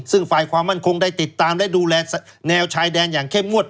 ซึ่งฝ่ายความมั่นคงได้ติดตามและดูแลแนวชายแดนอย่างเข้มงวด